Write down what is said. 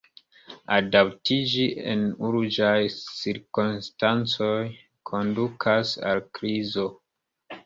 Adaptiĝi en urĝaj cirkonstancoj kondukas al krizo.